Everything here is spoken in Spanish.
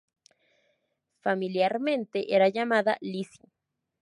Familiarmente era llamada "Lizzy".